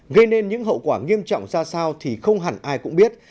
gây nên những hậu quả nghiêm trọng ra sao thì không hẳn ai cũng biết